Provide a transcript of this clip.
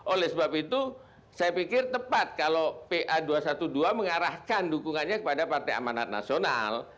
oleh sebab itu saya pikir tepat kalau pa dua ratus dua belas mengarahkan dukungannya kepada partai amanat nasional